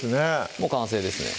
もう完成ですね